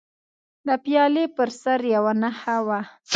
د پیالې پر سر یوه نښه وه.